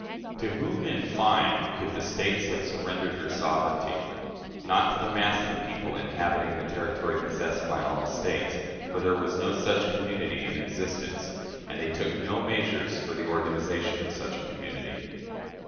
To whom, in fine, could the States have surrendered their sovereignty? Not to the mass of the people inhabiting the territory possessed by all the States, for there was no such community in existence, and they took no measures for the organization of such a community.